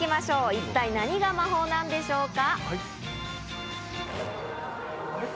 一体、何が魔法なんでしょうか？